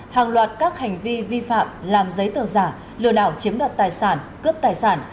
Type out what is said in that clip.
hàng loạt các hành vi vi phạm làm giấy tờ giả lừa đảo chiếm đoạt tài sản cướp tài sản